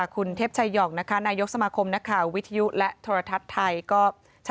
คุณเทพชัยออกนายกสมาคมวิทยุและโทรทัศน์ไทยก็ชัดใจ